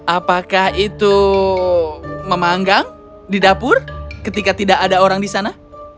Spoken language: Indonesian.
apakah itu memanggang di dapur ketika tidak ada orang di sana